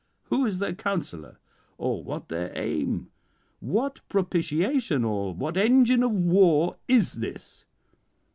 who is their counsellor? or what their aim? what propitiation, or what engine of war is this?"